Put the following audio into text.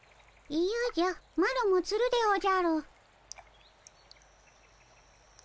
いやじゃマロもつるでおじゃる。